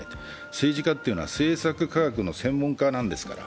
政治家っていうのは政策科学の専門家なんですから。